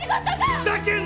ふざけんな！